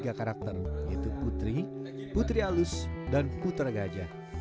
tiga karakter yaitu putri putri halus dan putra gajah